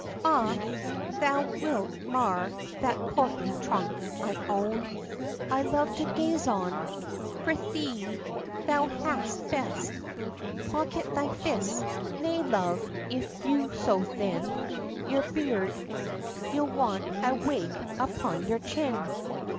"Ah! thou wilt mar that portly trunk, I own I love to gaze on! Pr'ythee, thou hadst best Pocket thy fists. Nay, love, if you so thin Your beard, you'll want a wig upon your chin!"